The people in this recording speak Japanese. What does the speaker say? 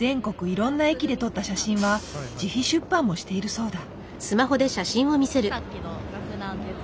いろんな駅で撮った写真は自費出版もしているそうだ。